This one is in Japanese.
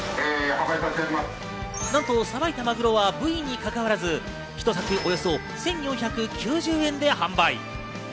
なんと、さばいたマグロは部位にかかわらず、ひとさくおよそ１４９０円で販売。